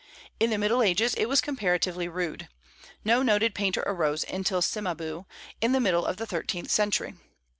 In the Middle Ages it was comparatively rude. No noted painter arose until Cimabue, in the middle of the thirteenth century.